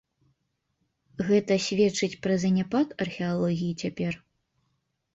Гэта сведчыць пра заняпад археалогіі цяпер?